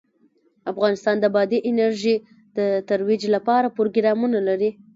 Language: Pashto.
افغانستان د بادي انرژي د ترویج لپاره پروګرامونه لري.